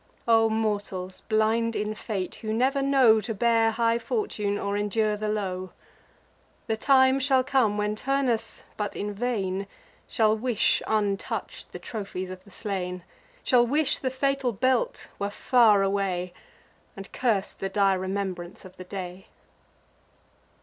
O mortals, blind in fate, who never know To bear high fortune, or endure the low! The time shall come, when Turnus, but in vain, Shall wish untouch'd the trophies of the slain; Shall wish the fatal belt were far away, And curse the dire remembrance of the day.